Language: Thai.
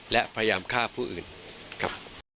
และพยายามฆ่าผู้อื่นครับ